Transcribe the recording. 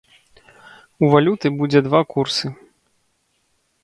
У валюты будзе два курсы.